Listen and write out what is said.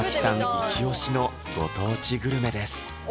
イチ推しのご当地グルメです